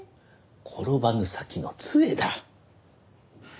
転ばぬ先の杖だ。